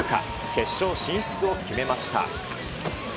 決勝進出を決めました。